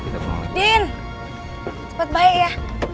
cepet baik ya